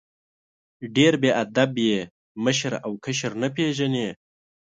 ډېر بې ادب یې ، مشر او کشر نه پېژنې!